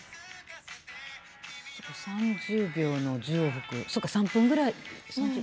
３０秒の１０往復そっか３分ぐらい。